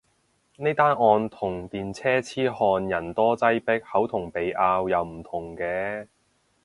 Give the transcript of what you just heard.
呢單案同電車痴漢人多擠迫口同鼻拗又唔同嘅